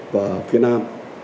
và phía nam